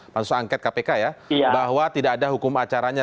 pansus angket kpk ya bahwa tidak ada hukum acaranya